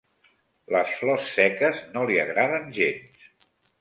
Les flors seques no li agraden gens.